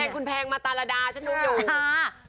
คุณแพงมาตราดาชนุกอยู่